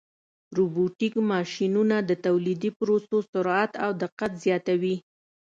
روبوټیک ماشینونه د تولیدي پروسو سرعت او دقت زیاتوي.